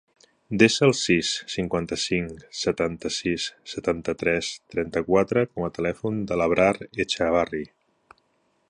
Desa el sis, cinquanta-cinc, setanta-sis, setanta-tres, trenta-quatre com a telèfon de l'Abrar Echavarri.